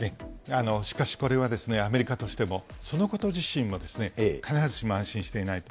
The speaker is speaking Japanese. しかしこれはですね、アメリカとしてもそのこと自身は必ずしも安心してないと。